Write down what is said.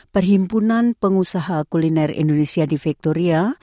perhimpunan pengusaha kuliner indonesia di victoria